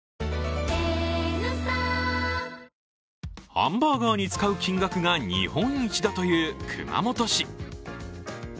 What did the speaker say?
ハンバーガーに使う金額が日本一だという熊本市。